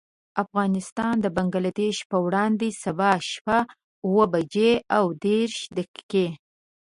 افغانستان د بنګلدېش پر وړاندې، سبا شپه اوه بجې او دېرش دقيقې.